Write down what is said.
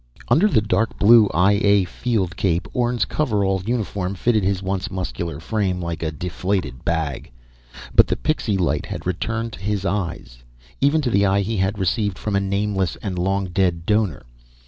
Under the dark blue I A field cape, Orne's coverall uniform fitted his once muscular frame like a deflated bag. But the pixie light had returned to his eyes even to the eye he had received from a nameless and long dead donor.